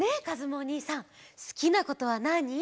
おにいさんすきなことはなに？